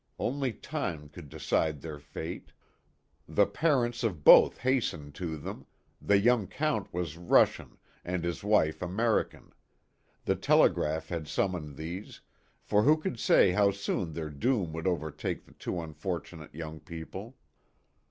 Only time could decide their fate. The parents of both hastened to them. the young Count was Russian and his wife Amer ican ; the telegraph had summoned these, for who could say how soon their doom would over take the two unfortunate young people